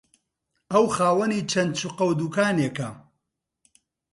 ئەو خاوەنی چەند شوقە و دوکانێکە